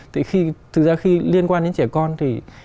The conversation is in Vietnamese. thực ra khi liên quan đến trẻ con thì